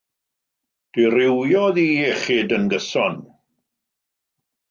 Dirywiodd ei iechyd yn gyson.